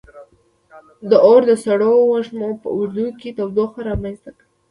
• اور د سړو ژمو په اوږدو کې تودوخه رامنځته کړه.